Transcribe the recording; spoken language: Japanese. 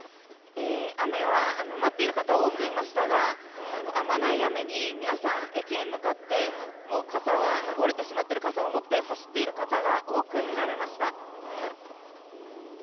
雨は待っている方が多くいましたがやまない雨に皆さん駅に向かって折れてしまっている傘を持って走っている方が多くみられました。